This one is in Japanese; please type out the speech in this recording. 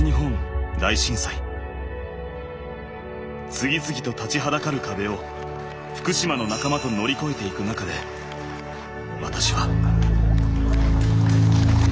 次々と立ちはだかる壁を福島の仲間と乗り越えていく中で私は。